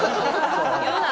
言うな！